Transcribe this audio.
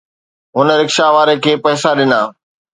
هن رڪشا واري کي پئسا ڏنا